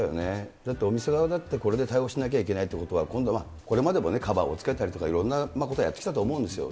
だってお店側だってこれで対応しなきゃいけないということは、今度は、これまでもカバーをつけたりとか、いろんなことをやってきたと思うんですよね。